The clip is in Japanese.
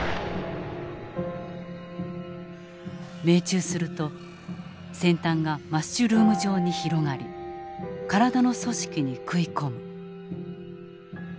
命中すると先端がマッシュルーム状に広がり体の組織に食い込む。